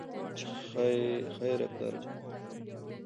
چې خېره پلار جانه